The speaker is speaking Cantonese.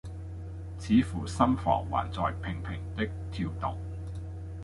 似乎心房還在怦怦的跳動。